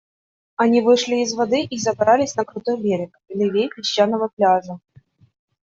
Они вышли из воды и забрались на крутой берег, левей песчаного пляжа.